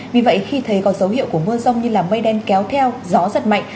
vì vậy khi thấy có dấu hiệu của mưa rông như mây đen kéo theo gió giật mạnh